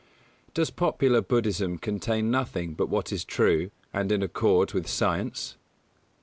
_Does popular Buddhism contain nothing but what is true, and in accord with science?